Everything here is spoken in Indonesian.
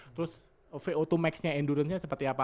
terus vo dua max nya endurance nya seperti apa